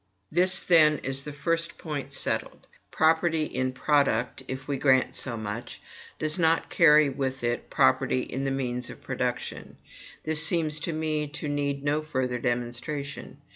This, then, is the first point settled: property in product, if we grant so much, does not carry with it property in the means of production; that seems to me to need no further demonstration.